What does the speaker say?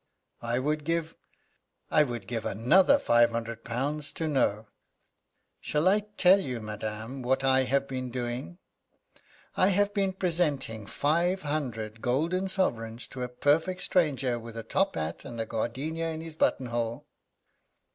"I would give I would give another five hundred pounds to know. Shall I tell you, madam, what I have been doing? I have been presenting five hundred golden sovereigns to a perfect stranger, with a top hat, and a gardenia in his button hole."